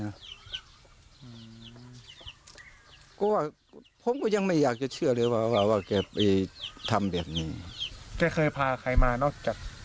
แต่ถ้าเอาผู้หญิงมาโรงเรียนไม่เคยเห็นไม่เคยครับไม่เคย